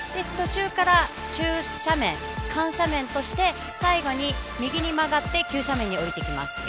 途中から中斜面、緩斜面として最後に右に曲がって急斜面に下りてきます。